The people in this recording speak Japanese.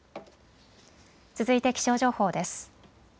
続いて気象情報です。